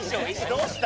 どうした？